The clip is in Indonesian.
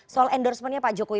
soal endorsement nya pak jokowi